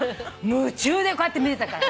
夢中でこうやって見てたから。